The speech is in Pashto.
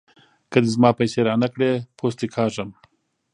که دې زما پيسې را نه کړې؛ پوست دې کاږم.